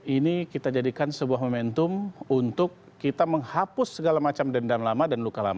ini kita jadikan sebuah momentum untuk kita menghapus segala macam dendam lama dan luka lama